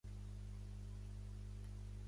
L'ombra rogenca de la lloba Català.